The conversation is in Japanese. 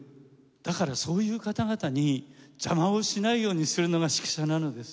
だからそういう方々に邪魔をしないようにするのが指揮者なのです。